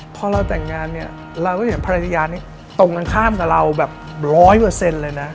พอเราแต่งงานเราก็เห็นภารณานี่ตรงกันข้ามกับเราแบบ๑๐๐เลยนะ